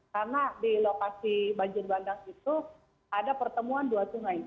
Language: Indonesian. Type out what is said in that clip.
karena di lokasi banjir bandang itu ada pertemuan dua sungai